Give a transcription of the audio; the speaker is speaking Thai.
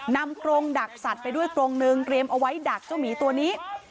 กรงดักสัตว์ไปด้วยกรงนึงเตรียมเอาไว้ดักเจ้าหมีตัวนี้